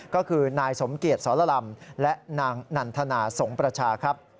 ก็คือนายสมเกียจสรลำและนางนันทนาสงประชาครับ